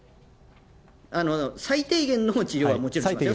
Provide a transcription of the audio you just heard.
最低限の治療はもちろんしますよ。